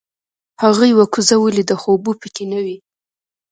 هغه یوه کوزه ولیده خو اوبه پکې نه وې.